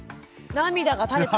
涙が垂れた？